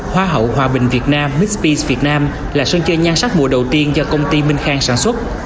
hoa hậu hòa bình việt nam mixpy việt nam là sân chơi nhan sắc mùa đầu tiên do công ty minh khang sản xuất